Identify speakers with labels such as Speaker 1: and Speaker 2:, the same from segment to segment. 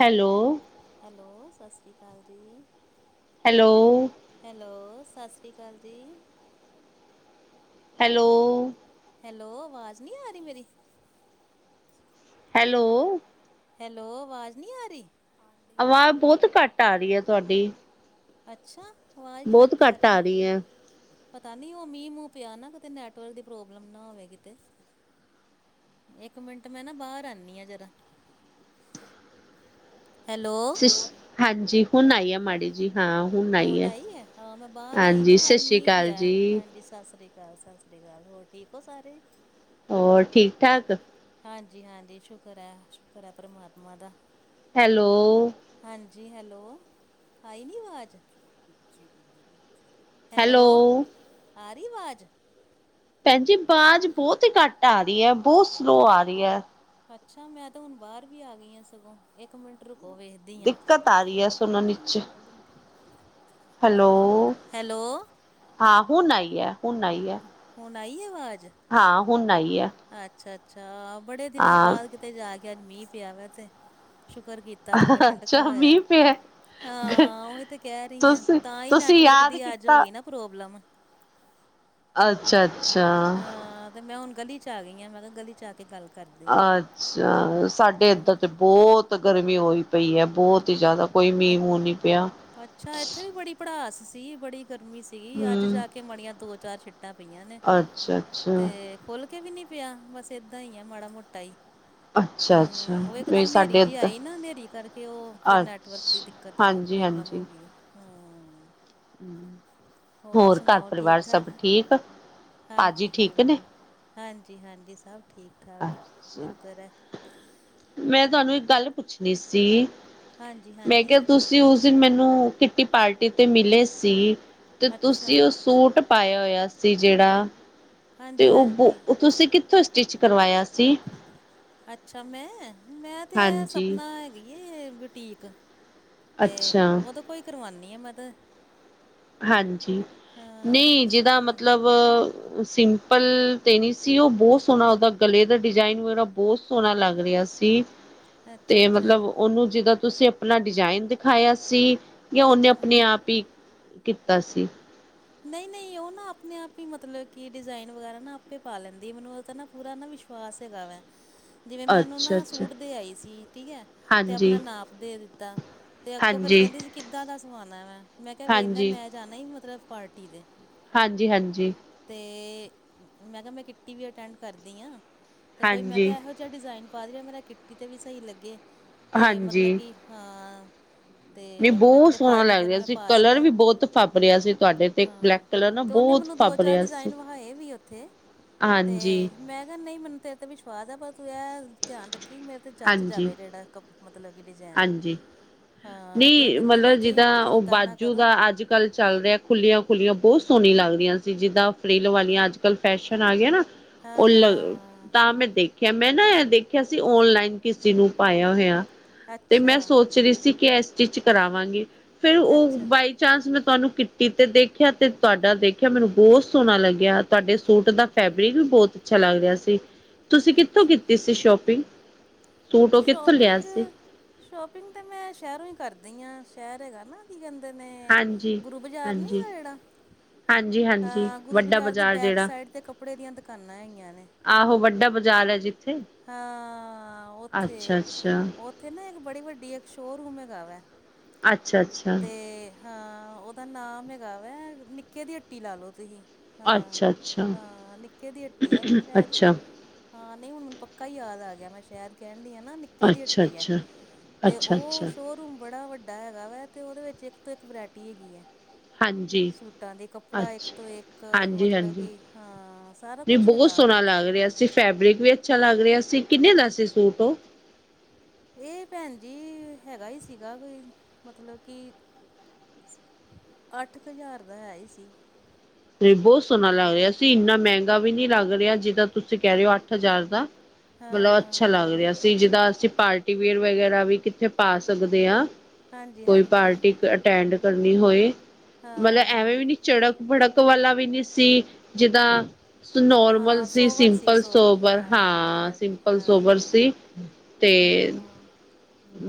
Speaker 1: Hello
Speaker 2: hello, ਸਸਿ ਸ਼੍ਰੀ ਅਕਾਲ ਜੀ
Speaker 1: ਹੈਲੋ
Speaker 2: ਹੈਲੋ, ਸਸਰੀ ਅਕਾਲ ਜੀ।
Speaker 1: ਹੈਲੋ
Speaker 2: ਹੈਲੋ ਅਵਾਜ਼ ਨੀ ਆ ਰਹੀ ਮੇਰੀ
Speaker 1: ਹੈਲੋ
Speaker 2: ਹੈਲੋ ਅਵਾਜ਼ ਨੀ ਆ ਰਹੀ
Speaker 1: ਆਵਾਜ਼ ਬਹੁਤ ਘੱਟ ਆ ਰਹੀ ਐ ਤੁਹਾਡੀ।
Speaker 2: ਅੱਛਾ, ਆਵਾਜ਼ ਘੱਟ ਆ ਰਹੀ ਪਤਾ ਨੀ, ਉਹ ਮੀਂਹ-ਮੂੰਹ ਪਿਆ ਨਾ ਕਿਤੇ ਨੈਟਵਰਕ ਦੀ ਪ੍ਰੋਬਲਮ ਨਾ ਹੋਵੇ ਕਿਤੇ। ਇੱਕ ਮਿੰਟ ਮੈਂ ਨਾ ਬਾਹਰ ਆਨੀਂ ਆ ਜਰਾ ਹੈਲੋ
Speaker 1: ਸਿਸ ਹਾਂਜੀ ਹੁਨ ਆਈ ਏ ਮਾੜੀ ਜੀ ਹਾਂ ਹੁਣ
Speaker 2: ਹੂਨ
Speaker 1: ਹੈ।
Speaker 2: ਆਈ ਏ, ਹਾਂ ਮੈਂ ਬਾਹਰ ਆਈ
Speaker 1: ਹਾਂਜੀ
Speaker 2: ਨਾ
Speaker 1: ਸਤਿ
Speaker 2: ਅੱਜ
Speaker 1: ਸ੍ਰੀ
Speaker 2: ਮੀਂਹ
Speaker 1: ਅਕਾਲ
Speaker 2: ਪਿਆ
Speaker 1: ਜੀ,
Speaker 2: ਹਾਂਜੀ ਸਸਰੀ ਅਕਾਲ, ਸਸਰੀ ਅਕਾਲ ਹੋਰ ਠੀਕ ਓ ਸਾਰੇ
Speaker 1: ਹੋਰ ਠੀਕ- ਠਾਕ
Speaker 2: ਹਾਂਜੀ-ਹਾਂਜੀ ਸ਼ੁਕਰ ਐ, ਸ਼ੁਕਰ ਐ ਪ੍ਰਮਾਤਮਾ ਦਾ
Speaker 1: ਹੈਲੋ
Speaker 2: ਹਾਂਜੀ, ਹੈਲੋ ਆਈ ਨੀ ਅਵਾਜ਼ ਹੈਲੋ ਆ ਰਹੀ ਅਵਾਜ਼
Speaker 1: ਪੈਣ ਜੀ ਵਾਜ਼ ਬਹੁਤ ਹੀ ਘੱਟ ਆ ਰਹੀ ਆ, ਬਹੁਤ ਸਲੋ ਆ ਰਹੀ ਏ
Speaker 2: ਅੱਛਾ, ਮੈ ਤਾਂ ਹੁਨ ਬਾਹਰ ਵੀ ਆਗੀ ਹਾਂ ਸਗੋਂ, ਇੱਕ ਮਿੰਟ ਰੁਕ ਉਹ ਵੇਖਦੀ ਆ,
Speaker 1: ਦਿੱਕਤ ਰਹੀ ਹੈ
Speaker 2: ਫਿਰ
Speaker 1: ਸੁਣਨ
Speaker 2: ਉਹਦੀ ਨੀ
Speaker 1: ਵਿੱਚ,
Speaker 2: ਸੁਨਾਈ ਦਿੰਦੀ
Speaker 1: ਹੈਲੋ।
Speaker 2: ਹੈਲੋ
Speaker 1: ਹਾਂ ਹੁਨ ਆਈ ਏ, ਹੁਨ ਆਈ ਏ।
Speaker 2: ਹੁਨ ਆਈ ਐ ਵਾਜ਼
Speaker 1: ਹਾਂ, ਹੁਨ ਆਈ ਏ
Speaker 2: ਅੱਛਾ -ਅੱਛਾ ਬੜੇ ਦਿਨਾਂ ਬਾਅਦ ਕਿਤੇ ਜਾ ਕੇ, ਅੱਜ ਮੀਂਹ ਪਿਆ ਵਾਂ ਤੇ, ਸ਼ੁਕਰ ਕੀਤਾ ਕੀਤਾ ਥੋੜ੍ਹਾ ਠੰਡਕਾ
Speaker 1: ਅੱਛਾ
Speaker 2: ਹੋਇਆ
Speaker 1: ਮੀਂਹ ਪਿਆ।
Speaker 2: ਹਾਂ ਉਹੀ ਤੇ ਕਹਿ ਰਹੀ ਆ,
Speaker 1: ਤੁਸੀਂ
Speaker 2: ਤਾਂ ਹੀ
Speaker 1: ਤੁਸੀਂ
Speaker 2: ਨੈਟਵਰਕ
Speaker 1: ਯਾਦ
Speaker 2: ਦੀ ਅੱਜ ਹੋ
Speaker 1: ਕੀਤਾ
Speaker 2: ਗਈ ਨਾ ਪ੍ਰੋਬਲਮ
Speaker 1: ਅੱਛਾ -ਅੱਛਾ।
Speaker 2: ਹਾਂ ਤੇ ਮੈਂ ਹੁਣ ਗਲੀ ਚ' ਆ ਗਈ, ਮੈਂ ਕਿਹਾ ਗਲੀ ਚ' ਆ ਕੇ ਗੱਲ ਕਰਦੀ ਹਾਂ
Speaker 1: ਅੱਛਾ, ਸਾਡੇ ਇੱਧਰ ਤੇ ਬਹੁਤ ਗਰਮੀ ਹੋਈ ਪਈ ਹੈ, ਬਹੁਤ ਹੀ ਜ਼ਿਆਦਾ। ਕੋਈ
Speaker 2: ਅੱ
Speaker 1: ਮੀਂਹ -ਮੂਹ ਨੀ ਪਿਆ?
Speaker 2: ਅੱਛਾ ਇੱਥੇ ਵੀ ਬੜੀ ਪੜਾਸ ਸੀ, ਬੜੀ ਗਰਮੀ ਸੀਗੀ, ਅੱਜ
Speaker 1: ਹਮ
Speaker 2: ਜਾ ਕੇ ਮਾੜੀਆਂ ਦੋ ਚਾਰ ਛਿੱਟ ਟ [inaudible] ਪਈਆਂ ਨੇ,
Speaker 1: ਅੱਛਾ ਅੱਛਾ
Speaker 2: ਤੇ ਖੁੱਲ ਕੇ ਵੀ ਨੀ ਪਿਆ, ਬਸ ਏਦਾਂ ਹੀ ਆ ਮਾੜਾ ਮੋਟਾ ਹੀ।
Speaker 1: ਅੱਛਾ ਅੱਛਾ
Speaker 2: ਹੁਅ ਉਹ ਇੱਕ
Speaker 1: ਨਹੀਂ
Speaker 2: ਦਮ ਹਨੇਰੀ
Speaker 1: ਸਾਡੇ
Speaker 2: ਜਿਹੀ
Speaker 1: ਇੱਧਰ
Speaker 2: ਆਈ ਨਾ, ਔਹ ਨੇਰੀ ਕਰਕੇ ਉਹ ਫਿਰ ਨੈਟਵਰਕ ਦੀ
Speaker 1: ਅੱਛਾ
Speaker 2: ਦਿੱਕਤ ਤਾਂ
Speaker 1: ਹਾਂਜੀ
Speaker 2: ਪ੍ਰੋਬਲਮ ਹੋ
Speaker 1: ਹਾਂਜੀ
Speaker 2: ਗਈ ਏ ਹਮ।
Speaker 1: ਹੋਰ ਘਰ
Speaker 2: ਠੀਕ
Speaker 1: ਪਰਿਵਾਰ ਸਭ
Speaker 2: ਠਾਕ
Speaker 1: ਠੀਕ ਆ, ਭਾਜੀ
Speaker 2: ਹਾਂਜੀ
Speaker 1: ਠੀਕ ਨੇ?
Speaker 2: ਹਾਂਜੀ ਹਾਂਜੀ- ਹਾਂਜੀ ਸਭ ਠੀਕ। ਠਾਕ
Speaker 1: ਅੱਛਾ
Speaker 2: ਸ਼ੁਕਰ ਹੈ
Speaker 1: [inaudible] ਮੈਂ ਤੁਹਾਨੂੰ ਇੱਕ ਗੱਲ ਪੁੱਛਣੀ ਸੀ?
Speaker 2: ਹਾਂਜੀ
Speaker 1: ਮੈਂ
Speaker 2: ਹਾਂਜੀ
Speaker 1: ਕਿਹਾ ਤੁਸੀਂ ਉਸ ਦਿਨ ਮੈਨੂੰ ਕਿਟੀ ਪਾਰਟੀ ਤੇ ਮਿਲੇ ਸੀ। ਤੇ
Speaker 2: ਅੱਛਾ
Speaker 1: ਤੁਸੀਂ ਉਹ ਸੂਟ ਪਾਇਆ ਹੋਇਆ ਸੀ ਜਿਹੜਾ ਤੇ
Speaker 2: ਹਾਂਜੀ
Speaker 1: ਉਹ ਬੋ,
Speaker 2: ਹਾਂਜੀ
Speaker 1: ਤੁਸੀਂ ਕਿੱਥੋਂ ਸਟਿਚ ਕਰਵਾਇਆ ਸੀ।
Speaker 2: ਅੱਛਾ ਮੈਂ, ਮੈਂ ਤੇ ਇਹ
Speaker 1: ਹਾਂਜੀ
Speaker 2: ਸਪਨਾ ਹੈਗੀ ਬੁਟੀਕ ਤੇ
Speaker 1: ਅੱਛਾ
Speaker 2: ਉਹਦੇ ਕੋਅ ਕਰਵਾਨੀ ਆ ਮੈਂ ਤਾਂ।
Speaker 1: ਹਾਂਜੀ
Speaker 2: ਹਾਂ ਉਹਦੇ ਕੋਈ
Speaker 1: ਨਹੀਂ
Speaker 2: ਸਟਿਚ
Speaker 1: ਜਿਹਦਾ ਮਤਲਬ
Speaker 2: ਕਰਵਾਉਣੀ
Speaker 1: ਸਿੰਪਲ ਤੇ ਨੀ ਸੀ ਉਹ ਬਹੁਤ ਸੋਹਣਾ ਉਹਦਾ ਗਲੇ ਦਾ ਡਿਜਾਇਨ ਵਗੈਰਾ ਬਹੁਤ ਸੋਹਣਾ ਲੱਗ ਰਿਹਾ ਸੀ।
Speaker 2: ਅੱਛਾ
Speaker 1: ਤੇ
Speaker 2: ਅੱਛਾ
Speaker 1: ਮਤਲਬ ਉਹਨੂੰ ਜਿਦਾਂ ਤੁਸੀਂ ਆਪਣਾ ਡਿਜ਼ਾਇਨ ਦਿਖਾਇਆ ਸੀ। ਜਾਂ ਉਹਨੇਂ ਆਪਣੇ
Speaker 2: ਹਮ
Speaker 1: ਆਪ ਹੀ ਕੀਤਾ ਸੀ।
Speaker 2: ਨਹੀਂ, ਨਹੀਂ ਉਹ ਨਾ ਆਪਣੇ ਆਪ ਹੀ ਮਤਲਬ ਕਿ ਡਿਜ਼ਾਇਨ ਵਗੈਰਾ ਨਾ ਆਪੇ ਪਾ ਲੈਂਦੀ ਮੈਨੂੰ ਉਹਦੇ ਤੇ ਨਾ ਪੂਰਾ ਨਾ ਵਿਸ਼ਵਾਸ ਹੈਗਾ ਵਾ
Speaker 1: [inaudible]
Speaker 2: ਜਿਵੇਂ ਮੈਂ ਉਹਨੂੰ
Speaker 1: ਅੱਛਾ
Speaker 2: ਨਾ
Speaker 1: ਅੱਛਾ
Speaker 2: ਸੂਟ ਦੇ ਆਈ ਸੀ ਠੀਕ ਹੈ, ਤੇ
Speaker 1: ਹਾਂਜੀ
Speaker 2: ਆਪਣਾ ਨਾਪ ਦੇ ਦਿੱਤਾ। ਤੇ ਅੱਗੋਂ ਫੇਰ
Speaker 1: ਹਾਂਜੀ
Speaker 2: ਕਹਿੰਦੀ ਜੀ ਕਿੱਦਾਂ ਦਾ ਸਮਾਨਣਾ ਵੈਂ, ਮੈਂ ਕਿਹਾ ਵੇਖਲਾ
Speaker 1: ਹਾਂਜੀ,
Speaker 2: ਮੈਂ ਜਾਣਾ ਹੀ ਮਤਲਬ ਪਾਰਟੀ ਤੇ
Speaker 1: ਹਾਂਜੀ- ਹਾਂਜੀ।
Speaker 2: ਤੇ ਮੈਂ ਕਿਹਾ ਮੈਂ ਕਿੱਟੀ ਵੀ ਅਟੈਂਡ ਕਰਦੀ ਹਾਂ, ਤੇ ਕੋਈ ਮੈਂ
Speaker 1: ਹਾਂਜੀ।
Speaker 2: ਕਿਹਾ ਇਹੋ ਜਿ ਅੱਛਾ ਡਿਜ਼ਾਇਨ ਪਾ ਰਿ ਮੇਰਾ ਕਿੰਟੀ 'ਤੇ ਵੀ ਸਹੀ ਲੱਗੇ ਅਤੇ ਮਤਲਬ
Speaker 1: ਹਾਂਜੀ,
Speaker 2: ਕਿ ਹਾਂ
Speaker 1: ਨਹੀਂ
Speaker 2: ਤੇ ਆਪਣਾ
Speaker 1: ਬਹੁਤ
Speaker 2: ਕਿਤੇ
Speaker 1: ਸੋਹਣਾ
Speaker 2: ਪਾਰਟੀ
Speaker 1: ਲੱਗ
Speaker 2: ਪਰ
Speaker 1: ਰਿਹਾ
Speaker 2: ਮੈਂ
Speaker 1: ਸੀ,
Speaker 2: ਪਾ
Speaker 1: ਕਲਰ ਵੀ
Speaker 2: ਸਕਾਂ
Speaker 1: ਬਹੁਤ ਫਬ ਰਿਹਾ ਸੀ। ਤੁਹਾਡੇ ਤੇ ਬਲੈਕ
Speaker 2: ਹਾਂ,
Speaker 1: ਕਲਰ ਨਾ
Speaker 2: ਤੇ ਉਹਨੇ
Speaker 1: ਬਹੁਤ
Speaker 2: ਮੈਨੂੰ ਦੋ
Speaker 1: ਫੱਬ
Speaker 2: ਚਾਰ
Speaker 1: ਰਿਹਾ ਸੀ।
Speaker 2: ਡਿਜ਼ਾਇਨ ਵਹਾਏ ਵੀ ਓਥੇ। ਤੇ
Speaker 1: ਹਾਂਜੀ,
Speaker 2: ਮੈਂ ਕਿਹਾ ਨਹੀਂ ਮੈਨੂੰ ਤੇਰੇ ਤੇ ਵਿਸ਼ਵਾਸ ਆ, ਪਰ ਤੂੰ ਇਹ ਧਿਆਨ ਰੱਖੀ ਕਿ ਮੇਰੇ ਤੇ ਜੱਚ
Speaker 1: ਹਾਂਜੀ,
Speaker 2: ਜਾਵੇ ਜਿਹੜਾ ਕਪ ਮਤਲਬ ਕਿ ਡਿਜਾਇਨ
Speaker 1: ਹਾਂਜੀ।
Speaker 2: ਹਾਂ ਤੇ ਉਹ
Speaker 1: ਨਹੀਂ
Speaker 2: ਕਹਿੰਦੀ ਜਦੋਂ
Speaker 1: ਮਤਲਬ
Speaker 2: ਤੁਸੀਂ
Speaker 1: ਜਿੱਦਾਂ ਉਹ
Speaker 2: ਚਿੰਤਾ ਨਾ
Speaker 1: ਬਾਜੂ
Speaker 2: ਕਰੋ।
Speaker 1: ਦਾ ਅੱਜ -ਕੱਲ ਚੱਲ ਰਿਹਾ ਖੁੱਲੀਆਂ- ਖੁੱਲੀਆਂ ਬਹੁਤ ਸੋਹੀਆਂ ਲੱਗਦੀਆਂ ਸੀ, ਜਿੱਦਾਂ ਫਰਿਲ ਵਾਲੀਆਂ ਅੱਜ- ਕੱਲ ਫੈਸ਼ਨ ਆ ਗਿਆ ਨਾ
Speaker 2: ਹਾਂ
Speaker 1: ਉਲ
Speaker 2: ਹਾਂ
Speaker 1: ਤਾਂ ਮੈਂ ਦੇਖ ਦੇਖਿਆ ਮੈਂ ਨਾ ਇਹ ਦੇਖਿਆ ਸੀ, ਔਨਲਾਈਨ ਕਿਸੇ ਨੂੰ ਪਾਇਆ ਹੋਇਆ। ਤੇ ਮੈਂ
Speaker 2: ਅੱਛਾ
Speaker 1: ਸੋਚ ਰਹੀ ਸੀ ਕਿ ਇਹ ਸਟਿਚ ਕਰਾਵਾਂਗੀ, ਫੇਰ ਉਹ
Speaker 2: ਅੱਛਾ
Speaker 1: ਬਾਈ ਚਾਂਸ ਮੈਂ ਤੁਹਾਨੂੰ ਕਿੱਟੀ 'ਤੇ ਦੇਖਿਆ, ਤੇ ਤੁਹਾਡਾ ਦੇਖਿਆ ਮੈਨੂੰ ਬਹੁਤ ਸੋਹਣਾ ਲੱਗਿਆ ਤੁਹਾਡੇ ਸੂਟ ਦਾ ਫੈਬਰਿਕ ਵੀ ਬਹੁਤ ਅੱਛਾ ਲੱਗ ਰਿਹਾ ਸੀ, ਤੁਸੀਂ ਕਿੱਥੋਂ
Speaker 2: ਅੱਛਾ
Speaker 1: ਕੀਤੀ ਸੀ ਸ਼ੋਪਿੰਗ? ਸੂਟ ਉਹ ਕਿੱਥੋਂ ਲਿਆ
Speaker 2: ਸ਼ੋਪਿੰਗ,
Speaker 1: ਸੀ?
Speaker 2: ਸ਼ੋਪਿੰਗ ਤਾਂ ਮੈਂ ਸ਼ਹਿਰੋਂ ਹੀ ਕਰਦੀ ਹਾਂ ਸ਼ਹਿਰ ਹੈਗਾ ਨਾ ਕੀ ਕਹਿੰਦੇ ਨੇ
Speaker 1: ਹਾਂਜੀ।
Speaker 2: ਗੁਰੂ ਬਾਜ਼ਾਰ ਨੀ
Speaker 1: ਹਾਂਜੀ,
Speaker 2: ਹੈਗਾ ਜਿਹੜਾ
Speaker 1: ਹਾਂਜੀ, ਹਾ
Speaker 2: ਹਾਂ ਗੁਰੂ ਬਾਜ਼ਾਰ ਦੀ ਬੈਕ ਸਾਈਡ ਤੇ ਕੱਪੜੇ ਦੀਆਂ ਦੁਕਾਨਾਂ ਹੈਗੀਆਂ ਨੇ।
Speaker 1: ਆਹੋ ਵੱਡਾ ਬਾਜ਼ਾਰ ਹੈ ਜਿੱਥੇ
Speaker 2: ਹਾਂ, ਉੱਥੇ,
Speaker 1: ਅੱਛਾ, ਅੱਛਾ,
Speaker 2: ਉੱਥੇ ਨਾ ਇੱਕ ਬੜੀ ਵੱਡੀ ਇੱਕ ਸ਼ੋਅਰੂਮ ਹੈਗਾ ਵਾ,
Speaker 1: ਅੱਛਾ-ਅੱਛਾ।
Speaker 2: ਹਾਂ ਉਹਦਾ ਨਾਮ ਹੈਗਾ ਵੈ ਨਿੱਕੇ ਦੀ ਹੱਟੀ ਲਾ ਲੋ ਤੁਸੀਂ। ਹਾਂ,
Speaker 1: ਅੱਛਾ, ਅੱਛਾ,
Speaker 2: ਹਾਂ ਨਿੱਕੇ ਦੀ ਹੱਟੀ ਆ ਸ਼ਾਇਦ
Speaker 1: ਅੱਛਾ,
Speaker 2: ਹਾਂ ਨਹੀਂ ਹੁਣ ਮੈਨੂੰ ਪੱਕਾ ਹੀ ਯਾਦ ਆ ਗਿਆ ਮੈਂ ਸ਼ਹਿਰ ਕਹਿਣ ਡਹੀ ਆ ਨਾ ਨਿ
Speaker 1: ਅੱਛਾ,
Speaker 2: ਨਿੱਕੇ ਦੀ ਹੱਟੀ ਐ,
Speaker 1: ਅੱਛਾ,
Speaker 2: ਤੇ
Speaker 1: ਅੱਛਾ,
Speaker 2: ਉਹ
Speaker 1: ਅੱਛਾ।
Speaker 2: ਸ਼ੋਅ ਰੂਮ ਬੜਾ ਵੱਡਾ ਵੱਡਾ ਹੈਗਾ ਵਾ ਤੇ ਉਹਦੇ ਵਿੱਚ ਇੱਕ ਤੋਂ ਇੱਕ ਵਰਾਇਟੀ ਹੈਗੀ ਐ।
Speaker 1: ਹਾਂਜੀ,
Speaker 2: ਸੂਟਾਂ ਦੇ ਕੱਪੜਾ ਇੱਕ
Speaker 1: ਅੱਛਾ,
Speaker 2: ਤੋਂ ਇੱਕ ਮਤਲਬ ਕਿ ਹਾਂ ਸਾਰਾ
Speaker 1: ਤੇ
Speaker 2: ਕੁਛ
Speaker 1: ਬਹੁਤ
Speaker 2: ਹੈਗਾ ਉਹਦੇ
Speaker 1: ਸੋਹਣਾ ਲੱਗ
Speaker 2: 'ਚ
Speaker 1: ਰਿਹਾ ਸੀ ਫੈਬਰਿਕ ਵੀ ਅੱਛਾ ਲੱਗ ਰਿਹਾ ਸੀ ਕਿੰਨੇ ਦਾ ਸੀ ਸੂਟ ਉਹ
Speaker 2: ਇਹ ਭੈਣ ਜੀ ਹੈਗਾ ਹੀ ਸੀਗਾ ਕੋਈ ਮਤਲਬ ਕਿ ਅੱਠ ਕੁ ਹਜ਼ਾਰ ਦਾ ਹੈ ਹੀ ਸੀ।
Speaker 1: ਤੇ ਬਹੁਤ ਸੋਹਣਾ ਲੱਗ ਰਿਹਾ ਸੀ ਇੰਨਾ ਮਹਿੰਗਾ ਵੀ ਨੀ ਲੱਗ ਰਿਹਾ ਜਿੰਨਾ ਤੁਸੀਂ ਕਹਿ ਰਹੇ ਹੋ ਅੱਠ ਹਜ਼ਾਰ ਦਾ।
Speaker 2: ਹਾਂ
Speaker 1: ਮਤਲਬ ਅੱਛਾ ਲੱਗ
Speaker 2: ਹਾਂ
Speaker 1: ਰਿਹਾ ਸੀ ਜਿੱਦਾਂ ਅਸੀਂ ਪਾਰਟੀ ਵਿਅਰ ਵਗੈਰਾ ਵੀ ਕਿੱਥੇ ਪਾ ਸਕਦੇ ਹਾਂ।
Speaker 2: ਹਾਂਜੀ
Speaker 1: ਕੋਈ
Speaker 2: ਹਾਂਜੀ
Speaker 1: ਪਾਰਟੀ
Speaker 2: ਹਾਂਜੀ
Speaker 1: ਅਟੈਂਡ ਕਰਨੀ ਹੋਏ, ਮਤਲਬ ਐਵੇਂ
Speaker 2: ਹਾਂ
Speaker 1: ਵੀ ਨੀ ਚਝੜਕ ਭੜਕ ਵਾਲਾ ਵੀ ਨਹੀਂ ਸੀ ਜਿੱਦਾਂ ਨੋਰਮਲ
Speaker 2: ਹਾਂ
Speaker 1: ਸੀ
Speaker 2: ਸੋਵਰ
Speaker 1: ਸਿੰਪਲ ਸੋਵਰ ਹਾਂ
Speaker 2: ਮਤਲਬ ਕਿ
Speaker 1: ਸਿੰਪਲ
Speaker 2: ਹਾਂ
Speaker 1: ਸੋਵਰ
Speaker 2: ਹਾਂ
Speaker 1: ਸੀ। ਤੇ
Speaker 2: ਹਮ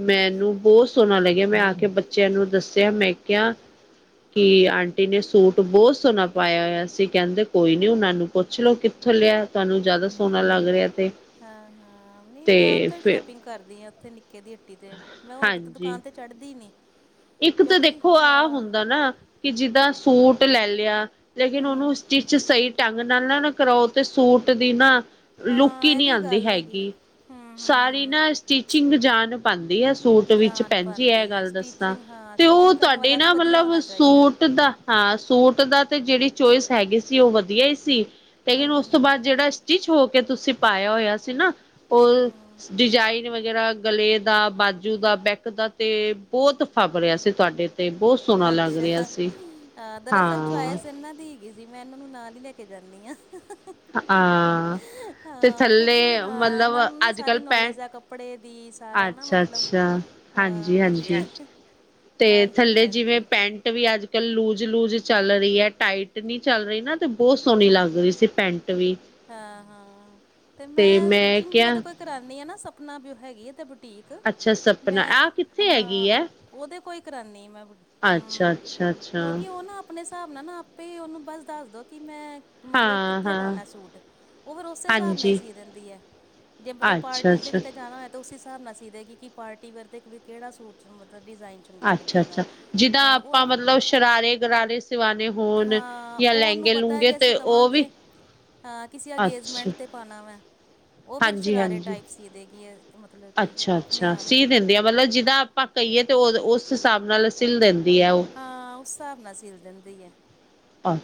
Speaker 1: ਮੈਨੂੰ ਬਹੁਤ ਸੋਹਣਾ ਲੱਗਿਆ ਮੈਂ ਆ ਕੇ ਬੱਚਿਆਂ ਨੂੰ ਦੱਸਿਆ ਮੈਂ ਕਿਹਾ ਕਿ ਆਂਟੀ ਨੇ ਸੂਟ ਬਹੁਤ ਸੋਹਣਾ ਪਾਇਆ ਹੋਇਆ ਸੀ ਕਹਿੰਦੇ ਕੋਈ ਨੀ ਉਹਨਾਂ ਨੂੰ ਪੁੱਛ ਲੋੋ ਕਿੱਥੋਂ ਲਿਆ ਤੁਹਾਨੂੰ ਜ਼ਿਆਦਾ ਸੋਹਣਾ ਲੱਗ ਰਿਹਾ ਤੇ
Speaker 2: ਹਾਂ-ਹਾਂ, ਨਹੀਂ ਮੈਂ
Speaker 1: ਤੇ
Speaker 2: ਉੱਥੇ
Speaker 1: ਫਿਰ
Speaker 2: ਸ਼ੋਪਿੰਗ ਕਰਦੀ ਆ ਉੱਥੇ ਨਿੱਕੇ ਦੀ ਹੱਟੀ ਤੇ ਮੈਂ ਹੋਰ ਕਿਤੇ
Speaker 1: ਹਾਂਜੀ
Speaker 2: ਦੁਕਾਨ ਤੇ ਚੜ੍ਹਦੀ ਨੀ
Speaker 1: ਇੱਕ ਤਾਂ ਦੇਖੋ ਆਹ ਹੁੰਦਾ ਨਾ ਕਿ ਜਿੱਦਾਂ ਸੂਟ ਲੈ ਲਿਆ ਲੇਕਿਨ ਉਹਨੂੰ
Speaker 2: ਹਮ
Speaker 1: ਸਟਿਚ ਸਹੀ ਢੰਗ ਨਾਲ ਨਾ-ਨਾ ਕਰਾਓ ਤੇ ਸੂਟ ਦੀ ਨਾ, ਲੁੱਕ
Speaker 2: ਹਾਂ
Speaker 1: ਹੀ
Speaker 2: ਇਹ
Speaker 1: ਨਹੀਂ
Speaker 2: ਵੀ
Speaker 1: ਆਂਦੀ
Speaker 2: ਗੱਲ
Speaker 1: ਹੈਗੀ,
Speaker 2: ਹਮ
Speaker 1: ਸਾਰੀ
Speaker 2: ਹਮ
Speaker 1: ਨਾ ਸਟੀਿਚਿੰਗ ਜਾਨ ਪਾਂਦੀ ਹੈ। ਸੂਟ ਵਿੱਚ
Speaker 2: ਜਾਨ
Speaker 1: ਭੈਣਜੀ
Speaker 2: ਪਾਉਂਦੀ
Speaker 1: ਇਹ
Speaker 2: ਹੈ
Speaker 1: ਗੱਲ ਦੱਸਾਂ
Speaker 2: ਸਟਿਚਿੰਗ ਹਾਂ
Speaker 1: ਤੇ ਉਹ
Speaker 2: ਸਟਿਚਿੰਗ ਕਰਨ
Speaker 1: ਤੁਹਾਡੇ
Speaker 2: ਵਾਲਾ ਵੀ
Speaker 1: ਨਾ
Speaker 2: ਵਧੀਆ
Speaker 1: ਮਤਲਬ
Speaker 2: ਹੋਣਾ ਚਾਹੀਦਾ
Speaker 1: ਸੂਟ [unintelligible] ਹਾਂ ਸੂਟ ਦਾ ਤੇ ਜਿਹੜੀ ਚੋਇਸ ਹੈਗੀ ਸੀ ਉਹ ਵਧੀਆ ਹੀ ਸੀ। ਲੇਕਿਨ
Speaker 2: ਹਮ
Speaker 1: ਉਸ ਤੋਂ
Speaker 2: ਹਮ
Speaker 1: ਬਾਅਦ ਜਿਹੜਾ ਸਟਿਚ ਹੋ ਕੇ ਤੁਸੀਂ ਪਾਇਆ ਹੋਇਆ ਸੀ ਨਾ।
Speaker 2: ਹਮ
Speaker 1: ਉਹ,
Speaker 2: ਹਮ
Speaker 1: ਸ ਡਿਜ਼ਾਇਨ ਵਗੈਰਾ, ਗਲੇ ਦਾ ਬਾਜੂ ਦਾ ਬੈਕ ਦਾ ਤੇ ਬਹੁਤ ਫਬ ਰਿਆ ਸੀ ਤੁਹਾਡੇ ਤੇ ਬਹੁਤ ਸੋਹਣਾ ਲੱਗ
Speaker 2: ਅੱਛਾ,
Speaker 1: ਰਿਹਾ ਸੀ
Speaker 2: ਅ ਦਰਅਸਲ
Speaker 1: ਹਾਂ
Speaker 2: ਚੁਆਇਸ ਇਹਨਾਂ ਦੀ ਹੈ ਗਈ ਜੀ ਮੈਂ ਇਹਨਾਂ ਨੂੰ ਨਾਲ ਹੀ ਲੈ ਕੇ ਜਾਂਣੀ ਹਾਂ।
Speaker 1: ਹਾਂ। ਤੇ
Speaker 2: ਹਾਂ
Speaker 1: ਥੱਲੇ
Speaker 2: ਕਿਉਂਕਿ ਹਾਂ
Speaker 1: ਮਤਲਬ
Speaker 2: ਇਹਨਾਂ ਨੂੰ ਨਾ
Speaker 1: ਅੱਜ-ਕੱਲ
Speaker 2: ਸਾਰੀ
Speaker 1: ਪੈ,
Speaker 2: ਨੌਲੇਜ ਆ ਕੱਪੜੇ ਦੀ ਸਾਰਾ ਨਾ ਮਤਲਬ
Speaker 1: ਅੱਛਾ-ਅੱਛਾ।
Speaker 2: ਹਾਂ,
Speaker 1: ਹਾਂਜੀ-ਹਾਂਜੀ। ਤੇ ਥੱਲੇ ਜਿਵੇਂ
Speaker 2: ਹਾਂਜੀ-ਹਾਂਜੀ
Speaker 1: ਪੈਂਟ ਵੀ ਅੱਜ-ਕੱਲ ਲੂਜ-ਲੂਜ ਚੱਲ ਰਹੀ ਹੈ ਟਾਈਟ ਨੀ ਚੱਲ ਰਹੀ ਨਾ। ਤੇ ਬਹੁ ਸੋਹਣੀ ਲੱਗ ਰਹੀ ਸੀ ਪੈਂਟ ਵੀ
Speaker 2: ਹਾਂ-ਹਾਂ, ਤੇ ਮੈਂ ਸਟੀਿਚਿੰਗ ਵੀ ਉਹਦੇ ਕੋਲ ਕਰਾਨੀ ਆ ਨਾ ਸਪਨਾ ਵੀ ਉਹ ਹੈਗੀ ਹੈ ਤੇ ਬੁਟੀਕ
Speaker 1: ਅੱਛਾ ਸਪਨਾ
Speaker 2: ਮੈਂ
Speaker 1: ਆਹ ਕਿੱਥੇ
Speaker 2: ਹਾਂ
Speaker 1: ਹੈਗੀ ਹੈ,
Speaker 2: ਉਹਦੇ ਕੋਈ ਕਰਾਨੀ ਮੈਂ,
Speaker 1: ਅੱਛਾ
Speaker 2: ਹਾਂ,
Speaker 1: ਅੱਛਾ ਅੱਛਾ
Speaker 2: ਕਿਉਂਕਿ ਉਹ ਨਾ, ਆਪਣੇ ਹਿਸਾਬ ਨਾਲ ਨਾ ਆਪੇ ਹੀ ਉਹਨੂੰ ਬਸ ਦੱਸਦੋ ਕਿ ਮੈਂ ਮਤਲਬ
Speaker 1: ਹਾਂ
Speaker 2: ਕਿੱਥੇ
Speaker 1: ਹਾਂ
Speaker 2: ਪਾਣਾ ਸੂਟ ਉਹ ਫੇਰ ਉਸੇ ਹਿਸਾਬ ਨਾਲ ਹੀ
Speaker 1: ਹਾਂਜੀ
Speaker 2: ਸੀ ਦਿੰਦੀ ਹੈ, ਜੇ ਪਤਾ
Speaker 1: ਅੱਛਾ
Speaker 2: ਪਾਰਟੀ ਦਾ
Speaker 1: ਅੱਛਾ
Speaker 2: ਕਿਤੇ ਜਾਣਾ ਤੇ ਉਸ ਹਿਸਾਬ ਨਾਲ ਸੀ ਦੇ ਕਿ ਪਾਰਟੀ ਵੇਅਰ ਕਿਹੜਾ ਸੂਟ ਮਤਲਬ ਡਿਜ਼ਾਇਨ ਚੰਗਾ ਲੱਗੇਗਾ
Speaker 1: ਅੱਛਾ-ਅੱਛਾ ਜਿੱਦਾਂ
Speaker 2: ਹਾਂ ਉਹ
Speaker 1: ਆਪਾਂ
Speaker 2: ਆਪ
Speaker 1: ਮਤਲਬ ਸ਼ਰਾਰੇ ਗਰਾਰੇ ਸਿਵਾਣੇ ਹੋਣ ਜਾ ਲਹਿੰਗੇ ਲੁੰਗੇ
Speaker 2: ਤਾ ਜੇ ਅਸੀਂ ਕਵਾਗੇ, ਹਾਂ ਕਿਸੇ
Speaker 1: ਅੱਛਾ
Speaker 2: ਅੰਗੇਜ਼ਮੈਂਟ 'ਤੇ ਪਾਣਾ ਵੈਂ ਉਹ ਫਿਰ
Speaker 1: ਹਾਂਜੀ
Speaker 2: ਸ਼ਰਾਰੇ
Speaker 1: ਹਾਂਜੀ
Speaker 2: ਟਾਈਪ ਸੀ ਦੇਗੀਆ ਮਤਲਬ ਕਿ ਆਪਣੇ ਆਪ ਈ
Speaker 1: ਹੁੰਦੀਆ ਮਤਲਬ ਜਿੱਦਾਂ ਆਪਾਂ ਕਈਏ ਤਾਂ ਉਹ ਉਸ ਹਿਸਾਬ ਨਾਲ ਸਿੱਲ ਦਿੰਦੀ ਐ ਓ
Speaker 2: ਹਾਂ ਉਸ ਹਿਸਾਬ ਨਾਲ ਸਿੱਲ ਦਿੰਦੀ ਆ।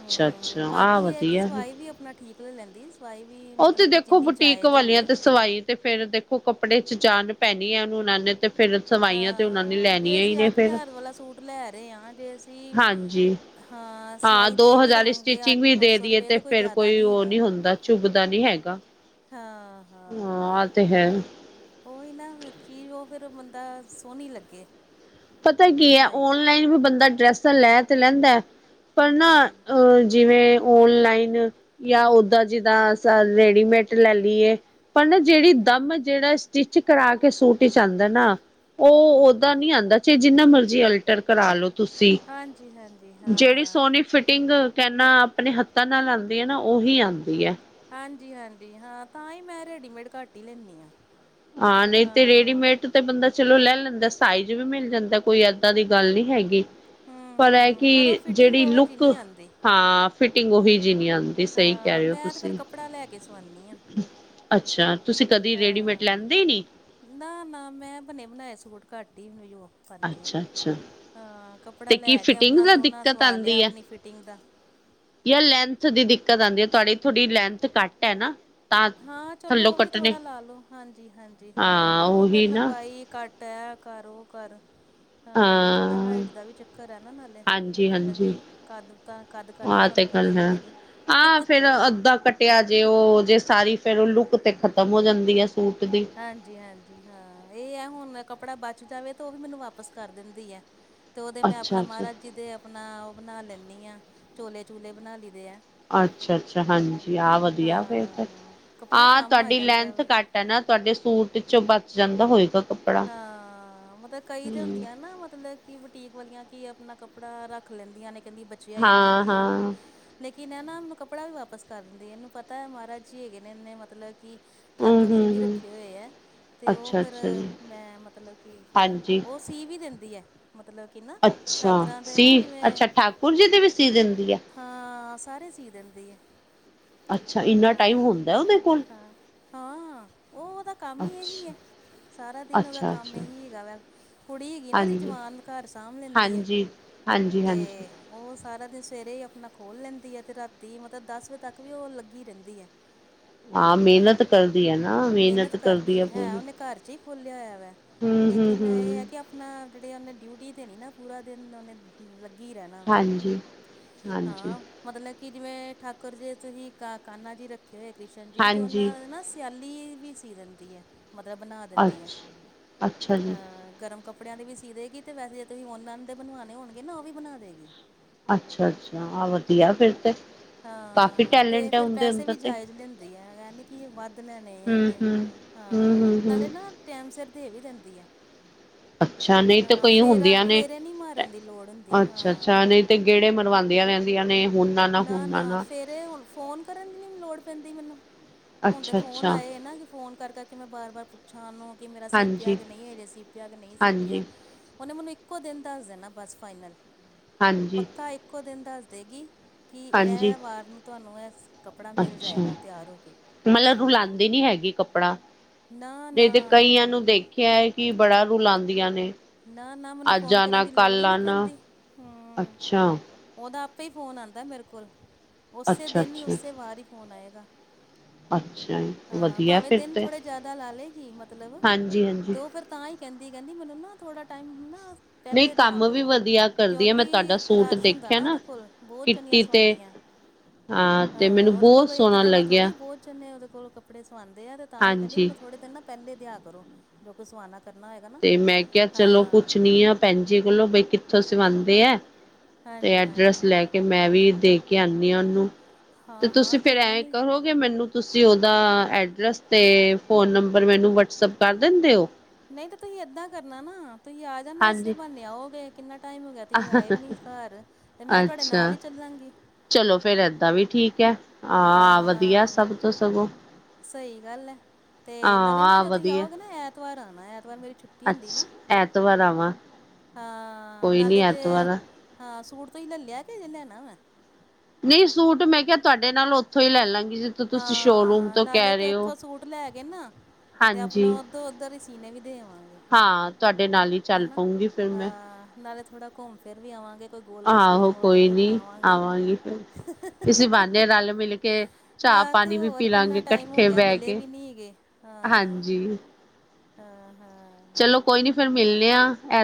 Speaker 2: ਹੂੰ
Speaker 1: ਆਹ
Speaker 2: ਬਾਕੀ ਇਹ ਹੈ ਕਿ
Speaker 1: ਵਧੀਆ
Speaker 2: ਸਵਾਈ ਵੀ ਆਪਣਾ ਠੀਕ ਲੈ ਲੈਂਦੀ ਸਵਾਈ ਵੀ
Speaker 1: ਓਹ ਤੇ
Speaker 2: ਮਤਲਬ ਕਿ
Speaker 1: ਦੇਖੋ
Speaker 2: ਜਿੰਨੀ
Speaker 1: ਬੁਟੀਕ
Speaker 2: ਜਾਇਜ਼
Speaker 1: ਵਾਲੀਆਂ
Speaker 2: ਹੋਵੇ
Speaker 1: ਤੇ ਸਵਾਈ ਤੇ ਫੇਰ ਦੇਖੋ ਕੱਪੜੇ ਚ ਜਾਨ ਪੈਣੀ ਐ, ਉਹਨੂੰ ਉਹਨਾਂ ਨੇ ਤੇ ਫੇਰ ਸਵਾਈਆਂ ਤੇ
Speaker 2: ਹਾਂ
Speaker 1: ਉਹਨਾਂ ਨੇ
Speaker 2: -ਹਾਂ ਜੇ
Speaker 1: ਲੈਣੀਆਂ ਹੀ
Speaker 2: ਅਸੀਂ
Speaker 1: ਨੇ
Speaker 2: ਅੱਠ
Speaker 1: ਫੇਰ
Speaker 2: ਹਜ਼ਾਰ ਵਾਲਾ ਸੂਟ ਲੈ ਰੇ ਆ, ਜੇ ਅਸ -ਸੀ,
Speaker 1: ਹਾਂਜੀ।
Speaker 2: ਹਾਂ ਸਵਾਈ
Speaker 1: ਦੋ
Speaker 2: ਦੇ ਵੀ
Speaker 1: ਹਜ਼ਾਰ
Speaker 2: ਦੇਵਾਂਗੇ
Speaker 1: ਸਟਿਚਿੰਗ
Speaker 2: ਅੱਠ
Speaker 1: ਵੀ
Speaker 2: ਨੌ ਸੌ ਰੁਪਏ ਤਾਂ ਕੋਈ ਜ਼ਿਆਦਾ ਨੀ ਹੈਗਾ
Speaker 1: ਚੁੰਬਦਾ ਨੀਂ ਹੈਗਾ
Speaker 2: ਹਾਂ- ਹਾਂ।
Speaker 1: ਆ ਤੇ ਹੈ।
Speaker 2: ਉਹੀ ਨਾ ਚੀਜ਼ ਉਹ ਫਿਰ ਬੰਦਾ ਸੋਹਣੀ ਲੱਗੇ
Speaker 1: ਪਤਾ ਕੀ ਐ
Speaker 2: ਪਾਈ
Speaker 1: ਓਨਲਾਈਨ ਵੀ ਬੰਦਾ ਡਰੈਸਾਂ ਲੈ ਤੇ ਲੈਂਦਾ ਪਰ
Speaker 2: ਹੂੰ
Speaker 1: ਨਾ
Speaker 2: ਹੂੰ
Speaker 1: ਅ ਜਿਵੇਂ ਔਨਲਾਈਨ ਜਾਂ ਓਦਾਂ ਜਿੱਦਾਂ ਅਸਾ ਰੇਡੀਮੇਟ ਲੈ ਲਈਏ ਪਰ ਨਾ ਜਿਹੜੀ ਦਮ ਜਿਹੜਾ ਸਟਿਚ ਕਰਾ ਕੇ ਸੂਟ ਇਚ ਆਂਦਾ ਨਾ ਉਹ ਓਦਾਂ ਨੀ ਆਦਾ ਚੇ ਜਿੰਨਾ ਮਰਜ਼ੀ ਅਲਟਰ ਕਰਾਲੋ। ਤੁਸੀਂ,
Speaker 2: ਹਾਂਜੀ ਹਾਂਜੀ
Speaker 1: ਜਿਹੜੀ
Speaker 2: ਹਾਂ
Speaker 1: ਸੋਹਣੀ ਫਿਟਿੰਗ ਕਰਨਾਂ ਆਪਣੇ ਹੱਥਾਂ ਨਾਲ ਆਂਦੀ ਐ ਨਾ, ਉਹੀ ਆਦੀ ਐ।
Speaker 2: ਹਾਂਜੀ- ਹਾਂਜੀ ਹਾਂ ਤਾਂਹੀ ਮੈਂ ਰੈਡੀਮੇਡ ਘੱਟ ਈ ਲੇਨੀ ਆ।
Speaker 1: ਹਾਂ ਨਈ ਤੇ ਰੇਡੀਮੇਡ ਤੇ ਬੰਦਾ ਚਲੋ ਲੈ ਲੈਂਦਾ, ਸਾਈਜ਼ ਵੀ ਮਿਲ ਜਾਂਦਾ ਕੋਈ ਐਦਾਂ ਦੀ ਗੱਲ ਨੀ ਹੈਗੀ
Speaker 2: ਹੂੰ
Speaker 1: ਪਰ ਐਹ
Speaker 2: ਹੂੰ
Speaker 1: ਕਿ
Speaker 2: ਪਰ ਉਹ ਫਿਟਿੰਗ
Speaker 1: ਜਿਹੜੀ
Speaker 2: ਉਹੋ ਜਿਹੀ
Speaker 1: ਲੁੱਕ,
Speaker 2: ਨਹੀਂ ਆਉਂਦੀ
Speaker 1: ਹਾਂ ਫਿਟਿੰਗ ਉਹੀ ਜਿਹੀ ਨੀ ਆਦ
Speaker 2: ਹਾਂ ਮੈਂ ਤੇ ਫੇਰ ਕੱਪੜਾ ਲੈ ਕੇ ਸੁਆਨੀ ਆ।
Speaker 1: ਅੱਛਾ ਤੁਸੀਂ ਕਦੀਂ ਰੇਡੀਮੇਡ ਲੈਂਦੇ ਈ ਨੀ?
Speaker 2: ਨਾ- ਨਾ ਮੈਂ ਬਣੇ ਬਣਾਏ ਸੂਟ ਘੱਟ ਈ ਮੈਨੂੰ ਯ ਕਰਨੀ ਆ,
Speaker 1: ਅੱਛਾ ਅੱਛਾ
Speaker 2: ਹਾਂ ਕੱਪੜਾ
Speaker 1: ਤੇ ਕੀ
Speaker 2: ਲੈ ਕੇ
Speaker 1: ਫਿਟਿੰਗ
Speaker 2: ਆਪਣਾ ਸੋਹਣਾ ਸਵਾ ਲਿਆ ਆਪਣੀ ਫਿਟਿੰਗ ਦਾ
Speaker 1: ਜਦ ਲੈਂਥ ਦੀ ਦਿੱਕਤ ਆਂਦੀ, ਤੁਹਾਡੀ ਥੋੜੀ ਲੈਂਥ ਘੱਟ ਐ ਨਾ। ਤਾਂ
Speaker 2: ਹਾਂ ਚਲੋ
Speaker 1: ਥੱਲੋਂ
Speaker 2: ਉਹ ਵੀ
Speaker 1: ਕੱਟਣੇ
Speaker 2: ਥੋੜਾ ਲੇ ਲੋ, ਹਾਂਜੀ-ਹਾਂਜੀ ਹਾਂ ਉਹ ਫਿਰ
Speaker 1: ਉਹੀ ਨਾ
Speaker 2: ਲੰਬਾਈ ਘੱਟ ਐਹ ਕਰ ਉਹ ਕਰ ਅ ਥੋੜਾਂ
Speaker 1: ਹਾਂ
Speaker 2: ਹਾਈਟ ਦਾ ਵੀ ਚੱਕਰ ਐ ਨਾ ਨਾਲੇ,
Speaker 1: ਹਾਂਜੀ
Speaker 2: ਮਤਲਬ
Speaker 1: ਹਾਂਜੀ
Speaker 2: ਕਿ ਕੱਦ ਭਾ ਕੱਦ ਕਾਠੀ
Speaker 1: ਆਹ ਤੇ
Speaker 2: ਤੁਹਾਂਨੂੰ ਪਤਾ
Speaker 1: ਗੱਲ
Speaker 2: ਈ ਆ
Speaker 1: ਹੈ
Speaker 2: ਮੇਰੀ
Speaker 1: ਹਾਂ ਫੇਰ ਅੱਧਾ ਕੱਟ -ਟਿਆ ਜੇ ਉਹ ਜੇ ਸਾਰੀ ਫਿਰ ਉਹ ਲੁੱਕ 'ਤੇ ਖ਼ਤਮ ਹੋ ਜਾਂਦੀ ਐ ਸੂਟ ਦੀ
Speaker 2: ਹਾਂਜੀ-ਹਾਂਜੀ ਹਾਂ ਇਹ ਐ ਹੁਣ ਕੱਪੜਾ ਬਚ ਜਾਵੇ ਤੇ ਉਹ ਵੀ ਮੈਨੂੰ ਵਾਪਿਸ ਕਰ ਦਿੰਦੀ ਐ। ਤੇ ਉਹਦੇ ਮੈਂ
Speaker 1: ਅੱਛਾ
Speaker 2: ਆਪਣਾ
Speaker 1: ਅੱਛਾ
Speaker 2: ਮਹਾਰਾਜ ਜੀ ਦੇ ਆਪਣਾ ਉਹ ਬਣਾ ਲੇਨੀ ਆ, ਚੋਲੇ ਚੂਲੇ ਬਣਾ ਲਈ ਦੇ ਆ।
Speaker 1: ਅੱਛਾ- ਅੱਛਾ ਹਾਂਜੀ ਆਹ ਵਧੀਆ ਫਿਰ ਤਾਂ,
Speaker 2: ਹਾਂ ਕੱਪੜਾ
Speaker 1: ਹਾਂ
Speaker 2: ਕੰਮ ਆ
Speaker 1: ਤੁਹਾਡੀ
Speaker 2: ਜਾਂਦਾ
Speaker 1: ਲੈਂਥ
Speaker 2: ਵਾ
Speaker 1: ਘੱਟ ਐ ਨਾ, ਤੁਹਾਡੇ ਸੂਟ ਇਚੋਂ ਬਚ ਜਾਂਦਾ ਹੋਏਗਾ ਕੱ
Speaker 2: ਹਾਂ, ਮਤਲਬ ਕਈ ਤੇ ਹੁੰਦੀਆਂ ਨਾ ਮਤਲਬ ਕਿ ਬੁਟੀਕ ਵਾਲੀਆਂ ਕੀ ਆਪਣਾ ਕੱਪੜਾ ਰੱਖ ਲੈਂਦੀਆਂ ਨੇ ਕਹਿੰਦੀਆਂ ਬਚਿਆ ਈ ਨੀ
Speaker 1: ਹਾਂ
Speaker 2: ਯੇਹ ਵੋ
Speaker 1: ਹਾਂ
Speaker 2: ਲੇਕਿਨ ਐਹ ਨਾ ਮੈਨੂੰ ਕੱਪੜਾ ਵੀ ਵਾਪਸ ਕਰ ਦਿੰਦੀ, ਇਹਨੂੰ ਪਤਾ ਐ ਮਹਾਰਾਜ ਜੀ ਹੈਗੇ ਨੇ ਇਹਨੇ ਮਤਲਬ ਕਿ
Speaker 1: ਹੂੰ
Speaker 2: ਠਾਕੁਰ ਜੀ
Speaker 1: ਹੂੰ
Speaker 2: ਵੀ
Speaker 1: ਹੂੰ
Speaker 2: ਰੱਖੇ ਹੋਏ ਐ, ਤੇ ਉਹ
Speaker 1: ਅੱਛਾ
Speaker 2: ਫਿਰ
Speaker 1: ਅੱਛਾ ਜੀ
Speaker 2: ਮੈਂ ਮਤਲਬ ਕਿ,
Speaker 1: ਹਾਂਜੀ
Speaker 2: ਉਹ ਸੀ ਵੀ ਦਿੰਦੀ ਐ ਮਤਲਬ ਕਿ ਨਾ
Speaker 1: ਅੱਛਾ
Speaker 2: ਠਾਕੁਰਾਂ ਦੇ
Speaker 1: ਸੀ
Speaker 2: ਨਾ ਜਿਵੇਂ
Speaker 1: ਅੱਛਾ ਠਾਕੁਰ ਜੀ ਦੀ ਵੀ ਸੀਅ ਦਿੰਦੀ ਆ?
Speaker 2: ਹਾਂ ਸਾਰੇ ਸੀ ਦਿੰਦੀ ਐ।
Speaker 1: ਅੱਛਾ ਇੰਨਾ ਟਾਈਮ
Speaker 2: ਹਾਂ,
Speaker 1: ਹੁੰਦਾ ਉਹਦੇ ਕੋਲ
Speaker 2: ਹਾਂ, ਹਾਂ ਉਹਦਾ ਕੰਮ ਹੀ ਇਹੀ ਆ।
Speaker 1: ਅੱਛਾ
Speaker 2: ਸਾ ਸਾਰਾ ਦਿਨ ਉਹਦਾ
Speaker 1: ਅੱਛਾ
Speaker 2: ਕੰਮ
Speaker 1: ਅੱਛਾ
Speaker 2: ਇਹੀ ਹੈਗਾ ਵਾ, ਕੁੜੀ ਹੀਗੀ ਨਾ ਉਹਦੀ
Speaker 1: ਹਾਂਜੀ
Speaker 2: ਜਵਾਨ ਘਰ ਸਾਂਭ ਲੈਂਦੀ ਆ।
Speaker 1: ਹਾਂਜੀ ਹਾਂਜੀ। ਹਾਂਜੀ
Speaker 2: ਤੇ ਉਹ ਸਾਰਾ ਦਿਨ ਸਵੇਰੇ ਹੀ ਆਪਣਾ ਖੋਲ ਲੈਂਦੀ ਐ ਤੇ ਰਾਤੀ ਮਤਲਬ ਦਸ ਵਜੇ ਤੱਕ ਵੀ ਉਹ ਲੱਗੀ ਰਹਿੰਦੀ ਐ।
Speaker 1: ਹਾਂ ਮਿਹਨਤ ਕਰਦੀ ਐ ਨਾ ਮਿਹਨਤ ਕਰਦੀ ਆ ਪੂਰੀ
Speaker 2: ਘਰ ਚ ਹੀ ਖੋਲਿਆ ਹੋਇਆ ਵੇ,
Speaker 1: ਹੂੰ ਹੂੰ
Speaker 2: ਲੇਕਿਨ ਇਹ ਏ
Speaker 1: ਹੂੰ
Speaker 2: ਕਿ ਆਪ ਆਪਣਾ ਜਿਹੜੀ ਉਹਨੇ ਡਿਊਟੀ ਦੇਣੀ ਨਾ ਪੂਰਾ ਦਿਨ ਉਹਨੇ ਲੱਗੀ ਰਹਿਣਾ ਵਾ,
Speaker 1: ਹਾਂਜੀ ਹਾਂਜੀ
Speaker 2: ਹਾਂ ਮਤਲਬ ਕਿ ਜਿਵੇਂ ਠਾਕੁਰ ਜੀ ਤੁਸੀਂ ਕਾ ਕਾਨਾ ਜੀ ਰੱਖੇ ਹੋਏ ਕ੍ਰਿਸ਼ਨ ਜੀ ਤੇ
Speaker 1: ਹਾਂਜੀ
Speaker 2: ਉਹਨਾਂ ਦੇ ਨਾ ਸਿਆਲੀ ਵੀ ਸੀ ਦਿੰਦੀ ਐ ਮਤਲਬ ਬਣਾ ਦਿੰਦੀ ਐ
Speaker 1: ਅੱਛਾ ਅੱਛਾ ਜੀ
Speaker 2: ਹ ਗਰਮ। ਕੱਪੜਿਆਂ ਦੇ ਵੀ ਸੀ ਦੇਗੀ ਤੇ ਵੈਸੇ ਜੇ ਤੁਸੀਂ ਓਨ-ਆਨ ਦੇ ਬਣਵਾਣੇ ਹੋਣਗੇ ਨਾ ਵੀ ਬਣਾ ਦੇਗੀ।
Speaker 1: ਅੱਛਾ- ਅੱਛਾ ਆਹ ਵਧੀਆ ਫੇਰ ਤੇ। ਕਾਫੀ
Speaker 2: ਹਾਂ ਤੇ
Speaker 1: ਟੈਲੈਂਟ ਹੈ
Speaker 2: ਫੇਰ
Speaker 1: ਉਹਦੇ
Speaker 2: ਪੈਸੇ
Speaker 1: ਅੰਦਰ
Speaker 2: ਵੀ
Speaker 1: ਤੇ
Speaker 2: ਜਾਇਜ਼ ਲੈਂਦੀ ਏ ਐ ਨੀ ਕਿ ਵੱਧ ਲੈਣੇ ਆ
Speaker 1: ਹੂੰ
Speaker 2: ਉਹਨੇ।
Speaker 1: ਹੂੰ ਹੂੰ
Speaker 2: ਹਾਂ
Speaker 1: ਹੂੰ ਹੂੰ
Speaker 2: ਨਾਲੇ ਨਾ ਟੈਮ ਸਿਰ ਦੇ ਵੀ ਦਿੰਦੀ ਐ।
Speaker 1: ਅੱਛਾ ਨਹੀਂ ਤਾਂ ਕੋਈ ਹੁੰਦੀਆਂ ਨੇ
Speaker 2: ਨਹੀਂ ਮਾਰਨ ਦੀ ਲੋੜ ਹੁੰਦੀ
Speaker 1: ਅੱਛਾ-
Speaker 2: ਹਾਂ
Speaker 1: ਅੱਛਾ ਨਹੀਂ ਤੇ ਗੇੜੇ ਮਰਵਾਂਦੀਆਂ ਰਹਿਣ ਦੀਆਂ ਨੇ ਹੂਣਾ-
Speaker 2: ਨਾ- ਨਾ ਫੇਰ ਹੁਣ ਫੋਨ ਕਰਨ ਦੀ ਨਹੀਂ ਲੋੜ ਪੈਂਦੀ ਮੈਨੂੰ। ਹੁਣ ਤੇ
Speaker 1: ਅੱਛਾ
Speaker 2: ਫੋਨ
Speaker 1: ਅੱਛਾ
Speaker 2: ਆਏ ਹੋਏ ਏ ਨਾ ਕਿ ਫੋਨ ਕਰ -ਕਰ ਕੇ ਮੈਂ ਬਾਰ-ਬਾਰ ਪੁੱ ਛਾਂ ਉਨੂੰ ਕਿ ਮੇਰਾ ਸੀ ਪੀਆ
Speaker 1: ਹਾਂਜੀ
Speaker 2: ਕੇ ਨਹੀਂ ਹਜੇ ਸੀਪੀਆ ਕੇ ਨਹੀਂ ਸੀ ਪੀਆ।
Speaker 1: ਹਾਂਜੀ
Speaker 2: ਉਨੇ ਮੈਨੂੰ ਇੱਕੋ ਦਿਨ ਦੱਸ ਦੇਣਾ ਬਸ ਫਾਈਨਲ,
Speaker 1: ਹਾਂਜੀ
Speaker 2: ਪੱਕਾ ਇੱਕੋ ਦਿਨ ਦੱਸ ਦੇਗੀ। ਕੀ
Speaker 1: ਹਾਂਜੀ
Speaker 2: ਇਹ ਵਾਰ ਨੂੰ ਤੁਆਨੂੰ ਇਹ ਕੱਪੜਾ ਮਿਲ
Speaker 1: ਅੱਛਾ
Speaker 2: ਜਾਏਗਾ ਤਿਆਰ ਹੋ ਕੇ।
Speaker 1: ਮਤਲਬ
Speaker 2: ਸੀ ਕੇ
Speaker 1: ਰੁਲਾਉਂਦੀ ਨੀ ਹੈਗੀ ਕੱਪੜਾ,
Speaker 2: ਨਾ
Speaker 1: ਨਹੀਂ ਤੇ
Speaker 2: ਨਾ ਨਾ
Speaker 1: ਕਈਆਂ ਨੂੰ ਦੇਖ ਆ ਏ ਕਿ ਬੜਾ ਰੁਲਾਨ ਦੀਆਂ ਨੇ।
Speaker 2: ਨਾ-ਨਾ ਮੈਨੂੰ
Speaker 1: ਅੱਜ
Speaker 2: ਫੋਨ ਕਰਨ
Speaker 1: ਆਣਾ
Speaker 2: ਦੀ ਲੋੜ
Speaker 1: ਕੱਲ
Speaker 2: ਹੀ ਨੀ
Speaker 1: ਆਣਾ
Speaker 2: ਪੈਂਦੀ, ਹੂੰ।
Speaker 1: ਅੱਛਾ
Speaker 2: ਉਦਾ ਆਪੇ ਹੀ ਫ਼ੋਨ ਆਂਦਾ ਮੇਰੇ ਕੋਲ, ਉਸੇ
Speaker 1: ਅੱਛਾ
Speaker 2: ਦਿਨ ਹੀ
Speaker 1: ਅੱਛਾ
Speaker 2: ਉਸੇ ਵਾਰ ਈ ਫ਼ੋਨ ਆਏਗਾ।
Speaker 1: ਅੱਛਾ ਜੀ
Speaker 2: ਹਾਂ
Speaker 1: ਵਧੀਆ
Speaker 2: ਭਾਵੇਂ
Speaker 1: ਫਿਰ
Speaker 2: ਦਿਨ
Speaker 1: ਤੇ
Speaker 2: ਥੋੜੇ ਜਿਆਦਾ ਲਾ ਲਏਗੀ ਮਤਲਬ
Speaker 1: ਹਾਂਜੀ ਹਾਂਜੀ
Speaker 2: ਤੇ ਉਹ ਫੇਰ ਤਾਂ ਹੀ ਕਹਿੰਦੀ, ਕਹਿੰਦੀ ਮੈਨੂੰ ਨਾ ਥੋੜਾ ਟਾਈਮ ਨਾ
Speaker 1: ਨਹੀਂ
Speaker 2: ਪੇਲੈ ਦਿਆ
Speaker 1: ਕੰਮ ਵੀ
Speaker 2: ਕਰੋ
Speaker 1: ਵਧੀਆ ਕਰਦੀ ਹੈ ਮੈਂ ਤੁਹਾਡਾ
Speaker 2: ਕਿਉਂਕਿ
Speaker 1: ਸੂਟ
Speaker 2: ਰਸ਼ ਹੁੰਦਾ
Speaker 1: ਦੇਖਿਆ
Speaker 2: ਨਾ ਉਹਦੇ ਕੋਲ, ਬੋਤ ਜਣੀਆਂ
Speaker 1: ਕਿੱਟੀ ਤੇ
Speaker 2: ਸਵਾਂਦੀਆਂ ਏ।
Speaker 1: ਤੇ
Speaker 2: ਹਾਂ
Speaker 1: ਮੈਨੂੰ
Speaker 2: ਉਦੇ
Speaker 1: ਬਹੁਤ
Speaker 2: ਕੋਲੋਂ ਇੱਕ
Speaker 1: ਸੋਹਣਾ
Speaker 2: ਜਾਣਾ
Speaker 1: ਲੱਗਿਆ
Speaker 2: ਥੋੜੀ ਬੋਤ ਜਨੇ ਉਹਦੇ ਕੋਲ ਕੱਪੜੇ ਸਵਾਂਦੇ ਆ ਤੇ ਤਾਂ ਈ ਕੇਨੀ
Speaker 1: ਹਾਂਜੀ
Speaker 2: ਮਨੂੰ ਥੋੜੇ ਦਿਨ ਨਾ ਪੈਲੇ ਦਿਆ ਕਰੋ, ਜੋ ਕੋਈ ਸਵਾਣਾ ਕਰਨਾ ਹੋਏਗਾ ਨਾ।
Speaker 1: ਤੇ ਮੈਂ ਕਿਹਾ ਚਲੋ
Speaker 2: ਹਾਂ
Speaker 1: ਪੁੱਛਣੀ ਆ ਭੈਣ ਜੀ ਕੋਲੋਂ ਬਈ ਕਿੱਥੋਂ ਸਵਾਂਦੇ ਐ। ਤੇ
Speaker 2: ਹਾਂਜੀ
Speaker 1: ਐਡਰੈਸ
Speaker 2: ਹਾਂਜੀ
Speaker 1: ਲੈ ਕੇ ਮੈਂ ਵੀ ਦੇ ਕੇ ਆਨੀ ਆ ਉਨੂੰ, ਤੇ
Speaker 2: ਹਾਂ
Speaker 1: ਤੁਸੀਂ
Speaker 2: ਹਾਂ
Speaker 1: ਫੇਰ
Speaker 2: ਕਿਉਂ
Speaker 1: ਐ
Speaker 2: ਨਹੀਂ
Speaker 1: ਕਰੋ ਕੀ ਮੈਨੂੰ ਤੁਸੀਂ ਉਦਾ ਐਡਰੈਸ ਤੇ ਫੋਨ ਨੰਬਰ ਮੈਨੂੰ ਵਟਸੈਪ ਪਾ ਦਿੰਦੇ ਓ।
Speaker 2: ਨਹੀਂ ਤਾਂ ਤੁਹੀ ਏਦਾਂ ਕਰਨਾ ਨਾ ਤੁਹੀ ਆ ਜਾਣਾ ਇਸੇ
Speaker 1: ਹਾਂਜੀ
Speaker 2: ਬਹਾਨੇ ਆਓਗੇ ਕਿੰਨਾ ਟਾਈਮ ਹੋ ਗਿਆ ਤੁਹੀਂ ਆਏ ਵੀ ਨੀ ਘਰ। ਤੇ ਮੈਂ ਤੁਹਾਡੇ ਨਾਲ
Speaker 1: ਅੱਛਾ
Speaker 2: ਈ ਚੱਲਾਂਗੀ।
Speaker 1: ਚਲੋ ਫੇਰ ਏਦਾਂ ਵੀ ਠੀਕ ਹੈ, ਹਾਂ ਵਧੀਆ ਸਭ ਤੋਂ ਸਗੋਂ।
Speaker 2: ਸਹੀ ਗੱਲ ਏ,
Speaker 1: ਹਾਂ
Speaker 2: ਤੇ ਨਾਲੇ ਨਾ
Speaker 1: ਆਹ
Speaker 2: ਜਦੋਂ ਤੁਹੀਂ
Speaker 1: ਵਧੀਆ
Speaker 2: ਆਓਗੇ ਨਾ ਐਤਵਾਰ ਆਉਣਾ ਐਤਵਾਰ ਮੇਰੀ ਛੁੱਟੀ ਹੁੰਦੀ
Speaker 1: ਅੱਛ
Speaker 2: ਨਾ
Speaker 1: ਐਤਵਾਰ ਆਵਾਂ।
Speaker 2: ਹਾਂ
Speaker 1: ਕੋਈ ਨੀ
Speaker 2: ਨਾਲੇ ਤੇ,
Speaker 1: ਐਤਵਾਰ ਆ
Speaker 2: ਹਾਂ ਸੂਟ ਤੋਂ ਹੀ ਲੈ ਲਿਆ ਕਿ ਹਜੇ ਲੈਣਾ ਵਾ।
Speaker 1: ਨਹੀਂ ਸੂਟ ਮੈਂ ਕਿਹਾ ਤੁਆਡੇ ਨਾਲ ਉੱਥੋਂ ਈ ਲੈਣ ਲਾਂਗੀ ਜਿ-
Speaker 2: ਹਾਂ ਨਾਲੇ ਤੇ ਓਥੋਂ ਸੂਟ ਲੈ ਗੇ ਨਾ ਤੇ ਆਪਣਾ
Speaker 1: ਹਾਂਜੀ
Speaker 2: ਉੱਧ ਉੱਧਰ ਈ ਸੀਨੇ ਵੀ ਦੇ ਆਵਾਂਗੇ।
Speaker 1: ਤੁਆਡੇ ਨਾਲ ਈ
Speaker 2: ਹੈਨਾ ਆ ਨਾਲੇ ਥੋੜਾ ਘੁੰਮ ਫਿਰ ਵੀ ਆਵਾਂਗੇ। ਕੋਈ ਗੋਲ ਗੱਪੇ
Speaker 1: ਆਹੋ
Speaker 2: ਸ਼ੋਲ
Speaker 1: ਕੋਈ
Speaker 2: ਗੱਪੇ
Speaker 1: ਨੀ
Speaker 2: ਖਾਵਾਂਗੇ
Speaker 1: ਆਵਾਂਗੀ ਫਿਰ ਇਸੀ ਬਹਾਨੇ ਰਲ ਮਿਲ ਕੇ ਚਾ
Speaker 2: ਹਾਂ ਤੇ
Speaker 1: ਪਾਣੀ ਵੀ
Speaker 2: ਹੋਰ
Speaker 1: ਪੀ
Speaker 2: ਕਿੰਨਾ
Speaker 1: ਲਾਂਗੇ
Speaker 2: ਟਾਈਮ ਹੋ
Speaker 1: ਕੱਠੇ
Speaker 2: ਗਿਆ
Speaker 1: ਬੈ
Speaker 2: ਮਿਲੇ
Speaker 1: ਕੇ,
Speaker 2: ਵੀ ਨੀ ਹੈਗੇ
Speaker 1: ਹਾਂਜੀ। [inaudible]
Speaker 2: ਹਾਂ-ਹਾਂ।
Speaker 1: ਚਲੋ ਕੋਈ ਨੀ ਫੇਰ ਮਿਲਣੇ ਆ ਐ